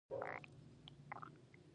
د ایبک ښار د سمنګان مرکز دی